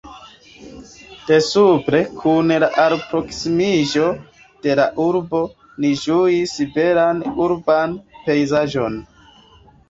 De supre, kun la alproksimiĝo de la urbo ni ĝuis belan urban pejzaĝon.